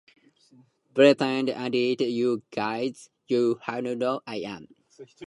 Bryant added, You guys know how I am.